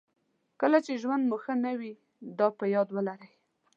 کله چې ژوند مو ښه نه وي دا په یاد ولرئ.